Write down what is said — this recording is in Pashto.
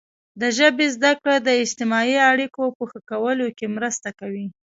د ژبې زده کړه د اجتماعي اړیکو په ښه کولو کې مرسته کوي.